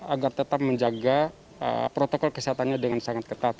agar tetap menjaga protokol kesehatannya dengan sangat ketat